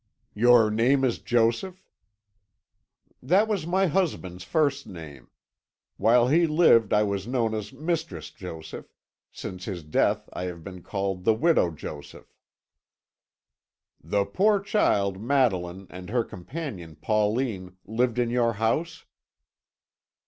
"Your name is Joseph?" "That was my husband's first name. While he lived I was known as Mistress Joseph; since his death I have been called the Widow Joseph." "The poor child, Madeline, and her companion, Pauline, lived in your house?"